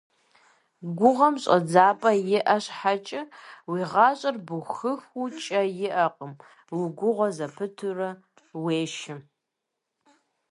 Гугъэм щӀэдзапӀэ иӀэ щхьэкӀэ, уи гъащӀэр бухыху кӀэ иӀэкъым, угугъэ зэпытурэ уешэ.